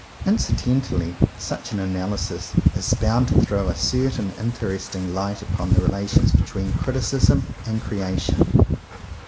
Incidentally such an analysis is bound to throw a cer tain interesting light upon the relations between criticism and creation.